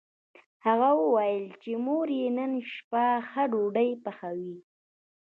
هغه وویل چې مور یې نن شپه ښه ډوډۍ پخوي